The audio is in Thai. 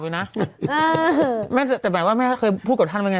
หมายความว่าแม่เคยพูดกับท่านว่าไง